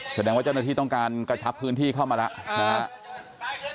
แสดงว่าเจ้าหน้าที่ต้องการกระชับพื้นที่เข้ามาแล้วนะครับ